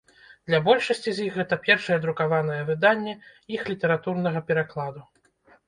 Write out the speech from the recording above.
Для большасці з іх гэта першае друкаванае выданне іх літаратурнага перакладу.